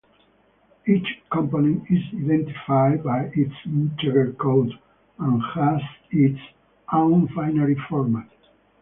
Each component is identified by its integer code and has its own binary format.